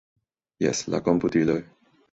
Jes, la komputiloj.